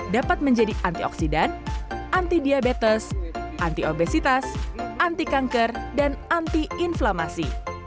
dapat menjadi antioksidan anti diabetes anti obesitas anti kanker dan anti inflamasi